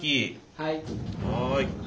はい。